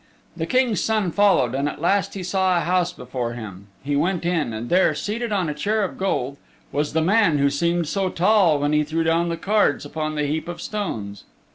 The King's Son followed, and at last he saw a house before him. He went in, and there, seated on a chair of gold was the man who seemed so tall when he threw down the cards upon the heap of stones.